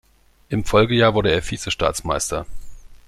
Im Folgejahr wurde er Vize-Staatsmeister.